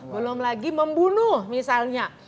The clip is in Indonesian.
belum lagi membunuh misalnya